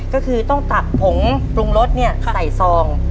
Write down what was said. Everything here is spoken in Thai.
ก็คือต้องตักผงปรุงรสใส่ซอง